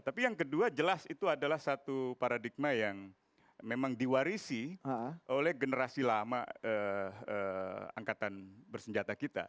tapi yang kedua jelas itu adalah satu paradigma yang memang diwarisi oleh generasi lama angkatan bersenjata kita